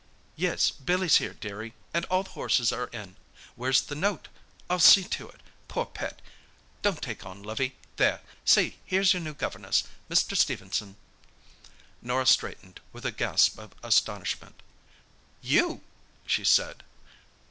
"Yes, Billy's here, dearie—and all the horses are in. Where's the note? I'll see to it. Poor pet! Don't take on, lovey, there. See, here's your new governess, Mr. Stephenson!" Norah straightened with a gasp of astonishment. "You!" she said.